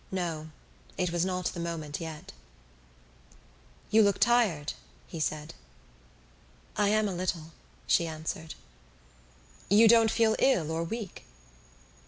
No, it was not the moment yet. "You looked tired," he said. "I am a little," she answered. "You don't feel ill or weak?"